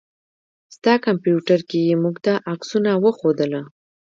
ستا کمپيوټر کې يې موږ ته عکسونه وښودله.